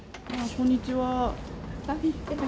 こんにちは。